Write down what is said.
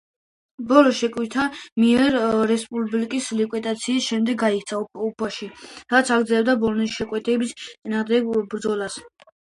ბოლშევიკთა მიერ რესპუბლიკის ლიკვიდაციის შემდეგ გაიქცა უფაში, სადაც აგრძელებდა ბოლშევიკთა წინააღმდეგ ბრძოლას.